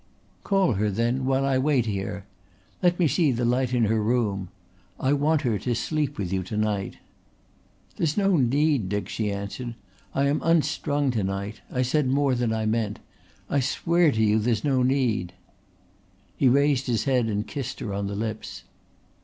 "Call her then, while I wait here. Let me see the light in her room. I want her to sleep with you to night." "There's no need, Dick," she answered. "I am unstrung to night. I said more than I meant. I swear to you there's no need." He raised her head and kissed her on the lips.